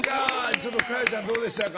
ちょっと佳代ちゃんどうでしたか？